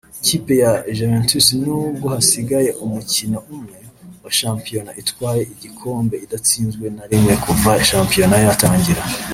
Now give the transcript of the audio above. Ikipe ya Juventus n’ubwo hasigaye umukino umwe wa shampiyona itwaye igikombe idatsinzwe na rimwe kuva shampiyona yatangira